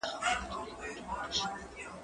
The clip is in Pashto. زه کولای سم د کتابتون د کار مرسته وکړم؟